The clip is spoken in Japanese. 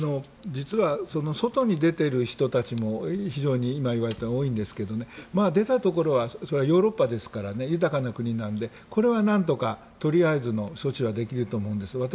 実は、外に出ている人たちも多いんですが出たところはヨーロッパですから豊かな国なのでこれは何とかとりあえずの措置はできると思うんです。